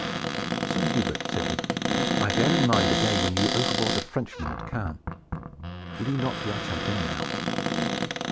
"Sir Hubert," said he, "I bear in mind the day when you overbore the Frenchman at Caen. Will you not be our champion now?"